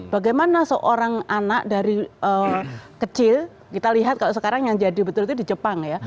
bagaimana seorang anak dari kecil kita lihat kalau sekarang yang jadi betul itu di jepang ya